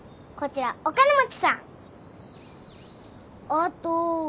あと。